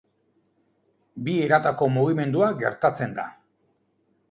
Bi eratako mugimendua gertatzen da.